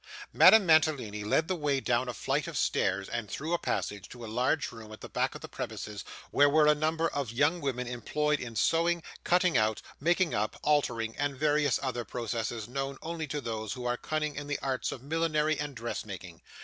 Madame Mantalini led the way down a flight of stairs, and through a passage, to a large room at the back of the premises where were a number of young women employed in sewing, cutting out, making up, altering, and various other processes known only to those who are cunning in the arts of millinery and dressmaking.